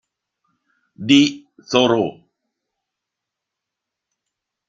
D. Thoreau.